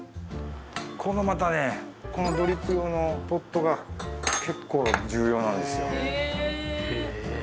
このまたねこのドリップ用のポットが結構重要なんですよへえ